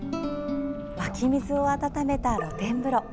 湧き水を温めた露天風呂。